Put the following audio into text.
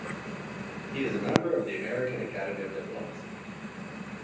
He is a member of the American Academy of Diplomacy.